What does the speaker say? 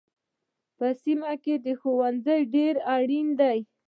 په دې سیمه کې ښوونځی ډېر اړین دی